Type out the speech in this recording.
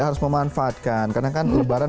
harus memanfaatkan karena kan lebaran